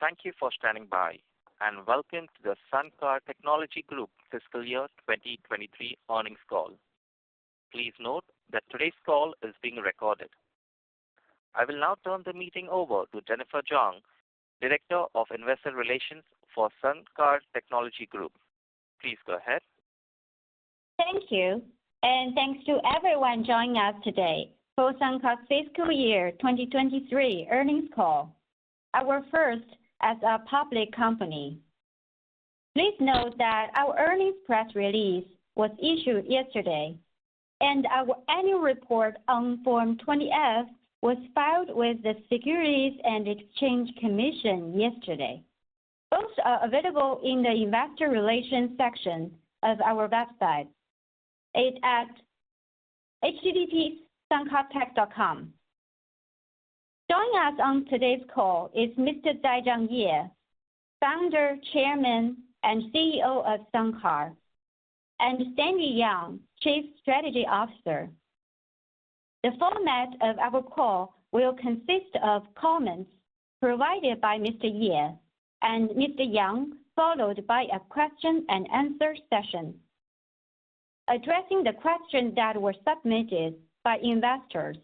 Thank you for standing by, and welcome to the SunCar Technology Group Fiscal Year 2023 earnings call. Please note that today's call is being recorded. I will now turn the meeting over to Jennifer Zhang, Director of Investor Relations for SunCar Technology Group. Please go ahead. Thank you, and thanks to everyone joining us today for SunCar's fiscal year 2023 earnings call, our first as a public company. Please note that our earnings press release was issued yesterday, and our annual report on Form 20-F was filed with the Securities and Exchange Commission yesterday. Both are available in the investor relations section of our website at http://suncartech.com. Joining us on today's call is Mr. Zaichang Ye, Founder, Chairman, and CEO of SunCar, and Stanley Yang, Chief Strategy Officer. The format of our call will consist of comments provided by Mr. Ye and Mr. Yang, followed by a question and answer session, addressing the questions that were submitted by investors.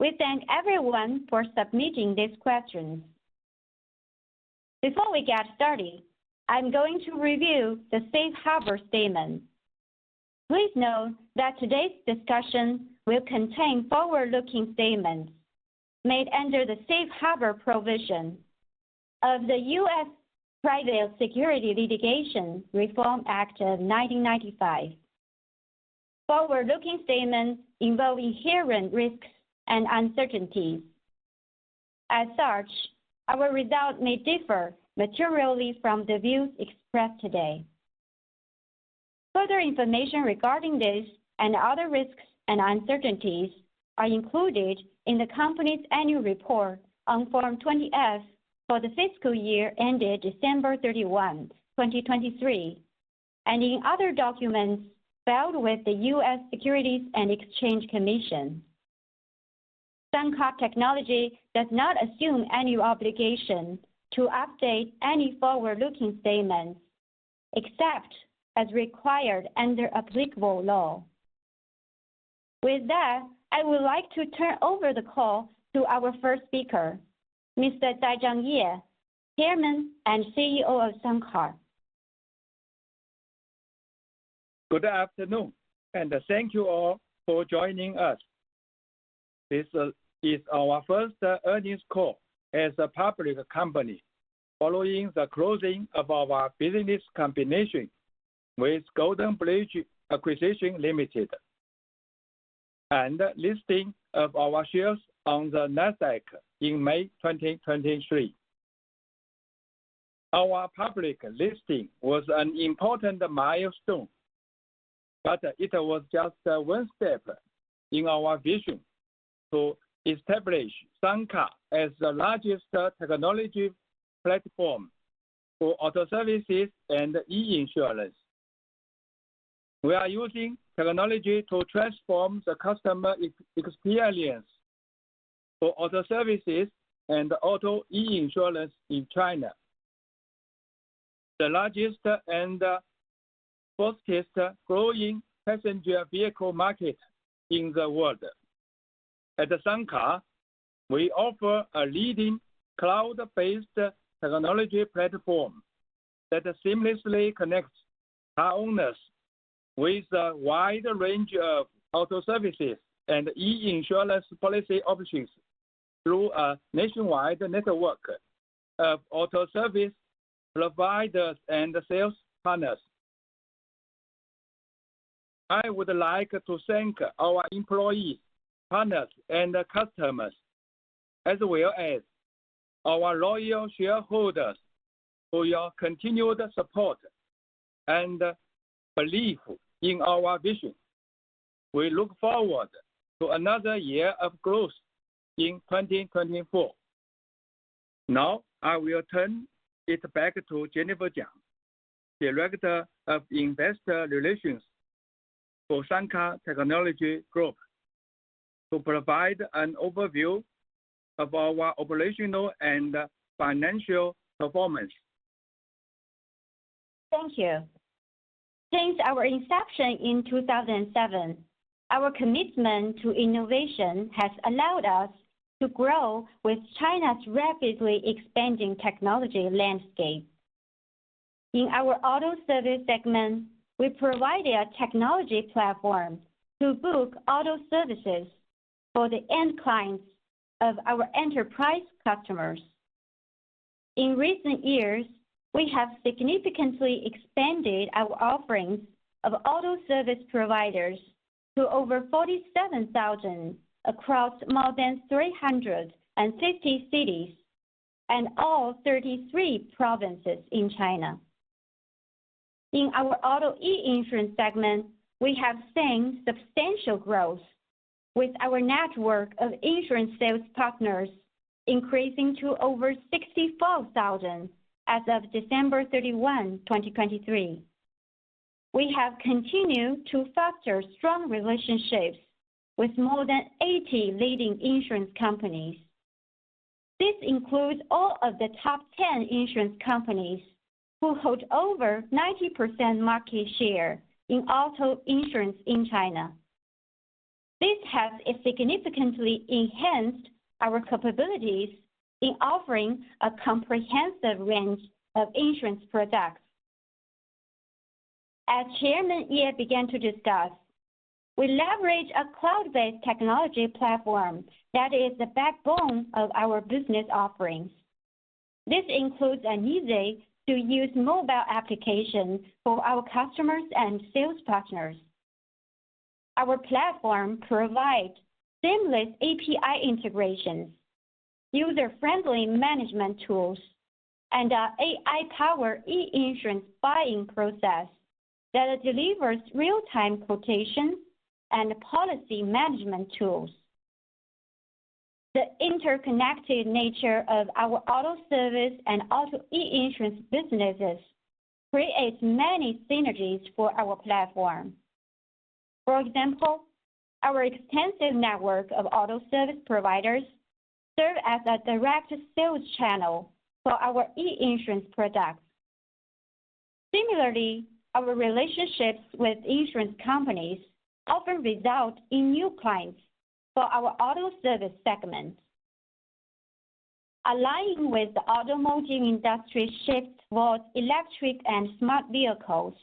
We thank everyone for submitting these questions. Before we get started, I'm going to review the safe harbor statement. Please note that today's discussion will contain forward-looking statements made under the safe harbor provision of the U.S. Private Securities Litigation Reform Act of 1995. Forward-looking statements involve inherent risks and uncertainties. As such, our results may differ materially from the views expressed today. Further information regarding this and other risks and uncertainties are included in the company's annual report on Form 20-F for the fiscal year ended December 31, 2023, and in other documents filed with the U.S. Securities and Exchange Commission. SunCar Technology does not assume any obligation to update any forward-looking statements, except as required under applicable law. With that, I would like to turn over the call to our first speaker, Mr. Zaichang Ye, Chairman and CEO of SunCar. Good afternoon, and thank you all for joining us. This is our first earnings call as a public company, following the closing of our business combination with Goldenbridge Acquisition Limited, and listing of our shares on the NASDAQ in May 2023. Our public listing was an important milestone, but it was just one step in our vision to establish SunCar as the largest technology platform for auto services and e-insurance. We are using technology to transform the customer experience for auto services and auto e-insurance in China, the largest and fastest growing passenger vehicle market in the world. At SunCar, we offer a leading cloud-based technology platform that seamlessly connects our owners with a wide range of auto services and e-insurance policy options through a nationwide network of auto service providers and sales partners. I would like to thank our employees, partners, and customers, as well as our loyal shareholders, for your continued support and belief in our vision. We look forward to another year of growth in 2024. Now, I will turn it back to Jennifer Jiang, Director of Investor Relations for SunCar Technology Group, to provide an overview of our operational and financial performance. Thank you. Since our inception in 2007, our commitment to innovation has allowed us to grow with China's rapidly expanding technology landscape. In our auto service segment, we provided a technology platform to book auto services for the end clients of our enterprise customers. In recent years, we have significantly expanded our offerings of auto service providers to over 47,000 across more than 350 cities and all 33 provinces in China. In our auto e-insurance segment, we have seen substantial growth, with our network of insurance sales partners increasing to over 64,000 as of December 31, 2023.... We have continued to foster strong relationships with more than 80 leading insurance companies. This includes all of the top 10 insurance companies, who hold over 90% market share in auto insurance in China. This has significantly enhanced our capabilities in offering a comprehensive range of insurance products. As Chairman Ye began to discuss, we leverage a cloud-based technology platform that is the backbone of our business offerings. This includes an easy-to-use mobile application for our customers and sales partners. Our platform provides seamless API integrations, user-friendly management tools, and an AI-powered e-insurance buying process that delivers real-time quotations and policy management tools. The interconnected nature of our auto service and auto e-insurance businesses creates many synergies for our platform. For example, our extensive network of auto service providers serve as a direct sales channel for our e-insurance products. Similarly, our relationships with insurance companies often result in new clients for our auto service segment. Aligned with the automotive industry shift towards electric and smart vehicles,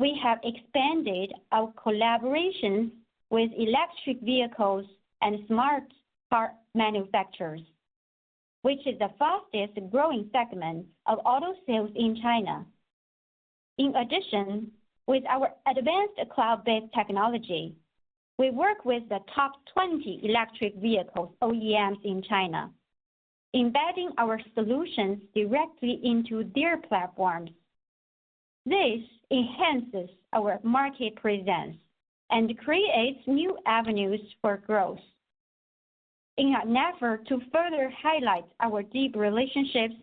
we have expanded our collaboration with electric vehicles and smart car manufacturers, which is the fastest-growing segment of auto sales in China. In addition, with our advanced cloud-based technology, we work with the top 20 electric vehicle OEMs in China, embedding our solutions directly into their platforms. This enhances our market presence and creates new avenues for growth. In an effort to further highlight our deep relationships,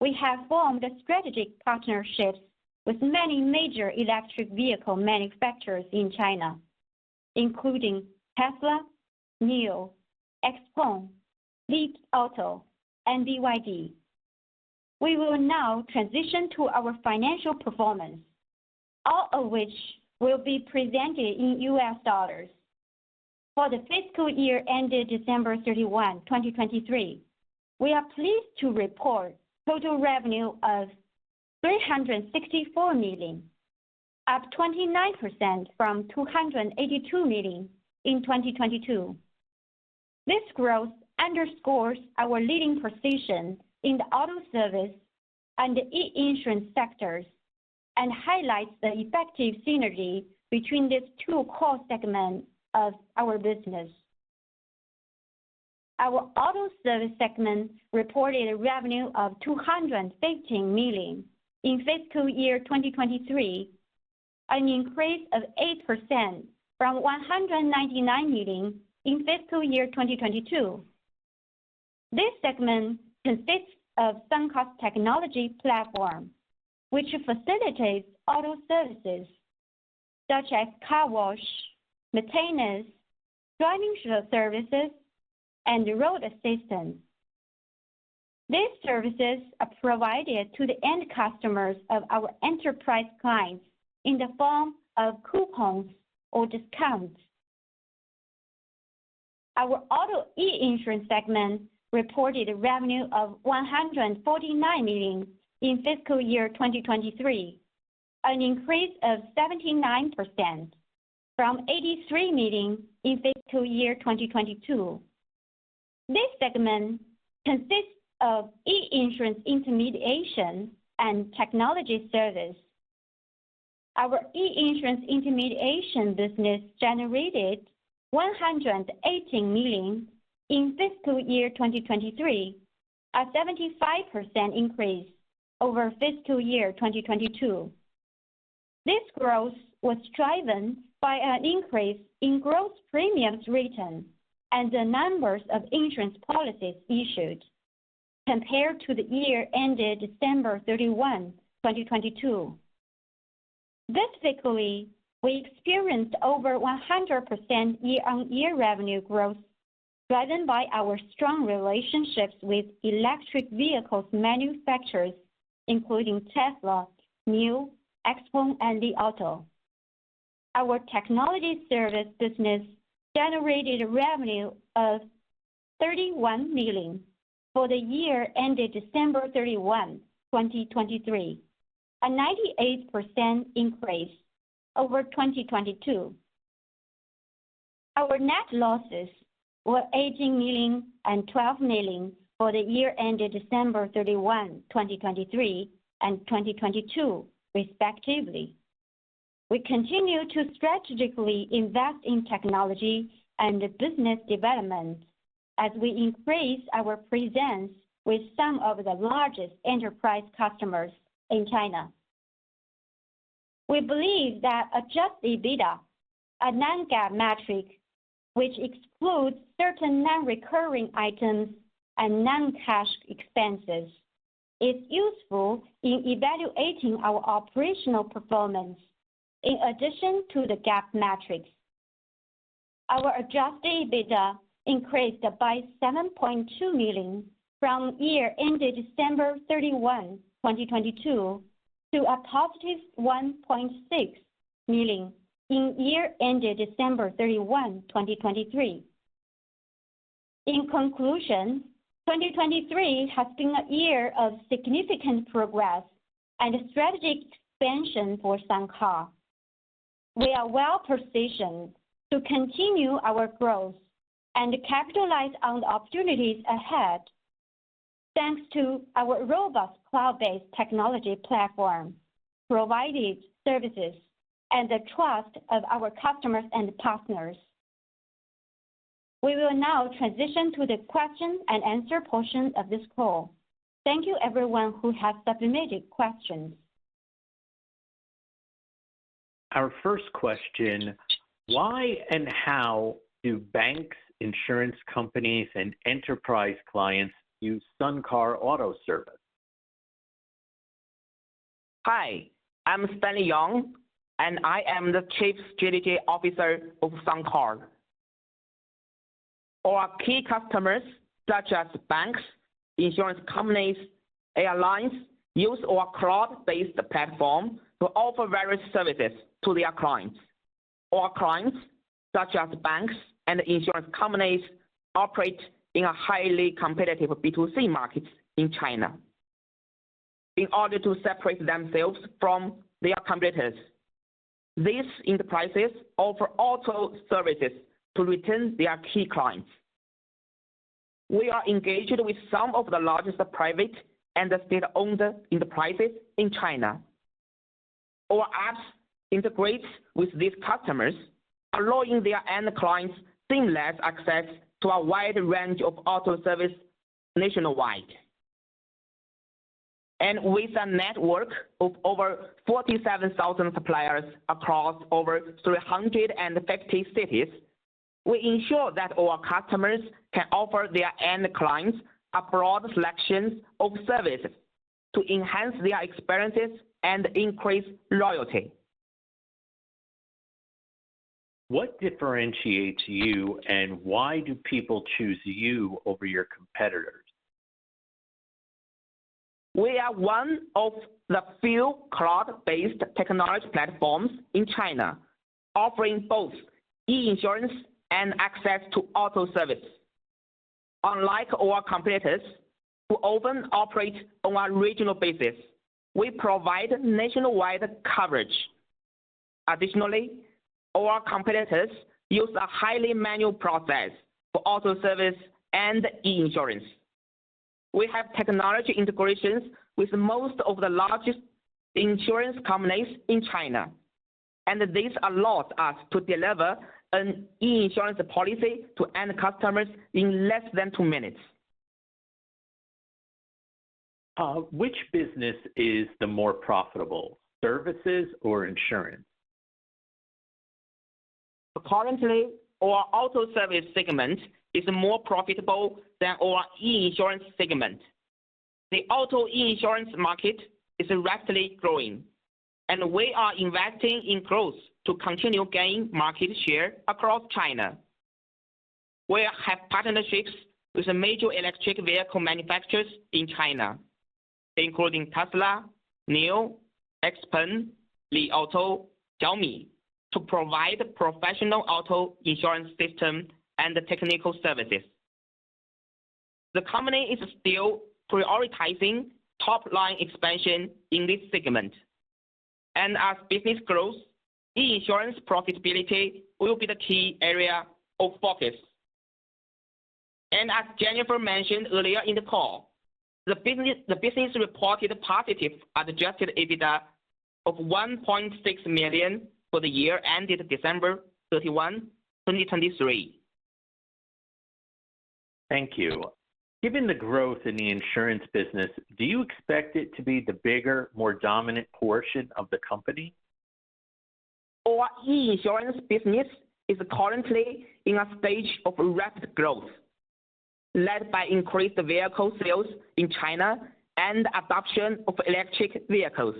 we have formed strategic partnerships with many major electric vehicle manufacturers in China, including Tesla, NIO, XPeng, Li Auto, and BYD. We will now transition to our financial performance, all of which will be presented in U.S. dollars. For the fiscal year ended December 31, 2023, we are pleased to report total revenue of $364 million, up 29% from $282 million in 2022. This growth underscores our leading position in the auto service and e-insurance sectors, and highlights the effective synergy between these two core segments of our business. Our auto service segment reported a revenue of $215 million in fiscal year 2023, an increase of 8% from $199 million in fiscal year 2022. This segment consists of SunCar's technology platform, which facilitates auto services such as car wash, maintenance, driving services, and road assistance. These services are provided to the end customers of our enterprise clients in the form of coupons or discounts. Our auto e-insurance segment reported a revenue of $149 million in fiscal year 2023, an increase of 79% from $83 million in fiscal year 2022. This segment consists of e-insurance intermediation and technology service. Our e-insurance intermediation business generated $118 million in fiscal year 2023, a 75% increase over fiscal year 2022. This growth was driven by an increase in gross premiums written and the numbers of insurance policies issued compared to the year ended December 31, 2022. Specifically, we experienced over 100% year-on-year revenue growth, driven by our strong relationships with electric vehicles manufacturers, including Tesla, NIO, XPeng, and Li Auto. Our technology service business generated a revenue of $31 million for the year ended December 31, 2023, a 98% increase over 2022. Our net losses were $18 million and $12 million for the year ended December 31, 2023, and 2022, respectively. We continue to strategically invest in technology and business development as we increase our presence with some of the largest enterprise customers in China. We believe that Adjusted EBITDA, a non-GAAP metric, which excludes certain non-recurring items and non-cash expenses. It's useful in evaluating our operational performance in addition to the GAAP metrics. Our Adjusted EBITDA increased by $7.2 million from year ended December 31, 2022, to a positive $1.6 million in year ended December 31, 2023. In conclusion, 2023 has been a year of significant progress and strategic expansion for SunCar. We are well-positioned to continue our growth and capitalize on the opportunities ahead, thanks to our robust cloud-based technology platform, provided services, and the trust of our customers and partners. We will now transition to the question and answer portion of this call. Thank you everyone who has submitted questions. Our first question: Why and how do banks, insurance companies, and enterprise clients use SunCar Auto Service? Hi, I'm Stanley Yang, and I am the Chief Strategy Officer of SunCar. Our key customers, such as banks, insurance companies, airlines, use our cloud-based platform to offer various services to their clients. Our clients, such as banks and insurance companies, operate in a highly competitive B2C market in China. In order to separate themselves from their competitors, these enterprises offer auto services to retain their key clients. We are engaged with some of the largest private and state-owned enterprises in China. Our apps integrates with these customers, allowing their end clients seamless access to a wide range of auto service nationwide. With a network of over 47,000 suppliers across over 350 cities, we ensure that our customers can offer their end clients a broad selection of services to enhance their experiences and increase loyalty. What differentiates you, and why do people choose you over your competitors? We are one of the few cloud-based technology platforms in China, offering both e-insurance and access to auto service. Unlike our competitors, who often operate on a regional basis, we provide nationwide coverage. Additionally, our competitors use a highly manual process for auto service and e-insurance. We have technology integrations with most of the largest insurance companies in China, and this allows us to deliver an e-insurance policy to end customers in less than two minutes. Which business is the more profitable, services or insurance? Currently, our auto service segment is more profitable than our e-insurance segment. The auto e-insurance market is rapidly growing, and we are investing in growth to continue gaining market share across China. We have partnerships with the major electric vehicle manufacturers in China, including Tesla, NIO, XPeng, Li Auto, Xiaomi, to provide professional auto insurance system and technical services. The company is still prioritizing top-line expansion in this segment. As business grows, e-insurance profitability will be the key area of focus. As Jennifer mentioned earlier in the call, the business, the business reported positive Adjusted EBITDA of $1.6 million for the year ended December 31, 2023. Thank you. Given the growth in the insurance business, do you expect it to be the bigger, more dominant portion of the company? Our e-insurance business is currently in a stage of rapid growth, led by increased vehicle sales in China and adoption of electric vehicles.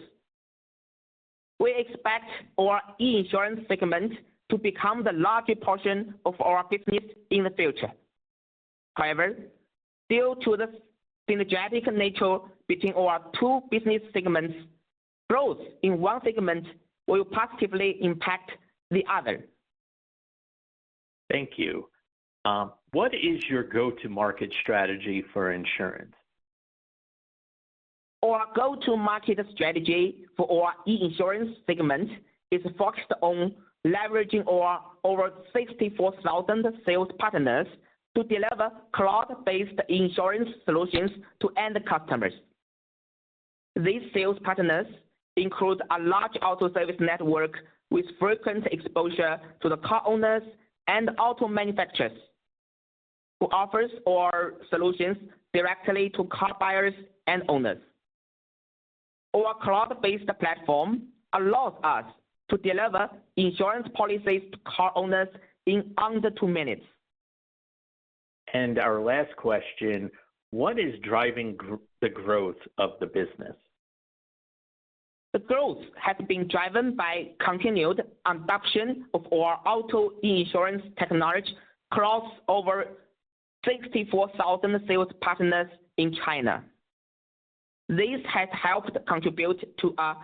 We expect our e-insurance segment to become the largest portion of our business in the future. However, due to the synergetic nature between our two business segments, growth in one segment will positively impact the other. Thank you. What is your go-to-market strategy for insurance? Our go-to-market strategy for our e-insurance segment is focused on leveraging our over 64,000 sales partners to deliver cloud-based insurance solutions to end customers. These sales partners include a large auto service network with frequent exposure to the car owners and auto manufacturers, who offers our solutions directly to car buyers and owners. Our cloud-based platform allows us to deliver insurance policies to car owners in under 2 minutes. Our last question: What is driving the growth of the business? The growth has been driven by continued adoption of our auto e-insurance technology across over 64,000 sales partners in China. This has helped contribute to a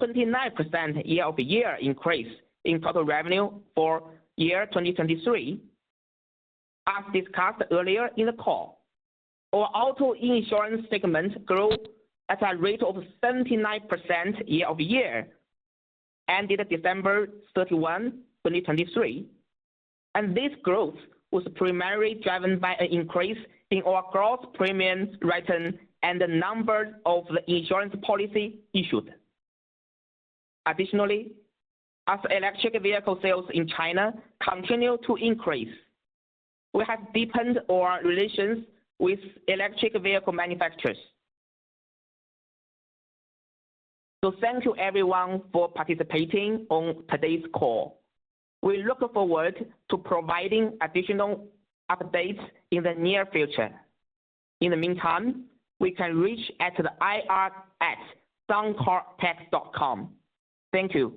29% year-over-year increase in total revenue for year 2023. As discussed earlier in the call, our auto e-insurance segment grew at a rate of 79% year-over-year, ended December 31, 2023. This growth was primarily driven by an increase in our gross premiums written and the number of insurance policies issued. Additionally, as electric vehicle sales in China continue to increase, we have deepened our relations with electric vehicle manufacturers. Thank you everyone for participating on today's call. We look forward to providing additional updates in the near future. In the meantime, you can reach us at ir@suncartech.com. Thank you.